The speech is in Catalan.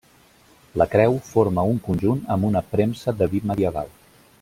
La creu forma un conjunt amb una premsa de vi medieval.